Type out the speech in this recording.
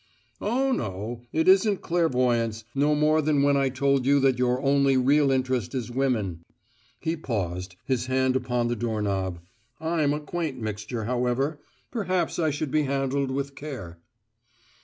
"Oh, no, it isn't clairvoyance no more than when I told you that your only real interest is women." He paused, his hand upon the door knob. "I'm a quaint mixture, however: perhaps I should be handled with care."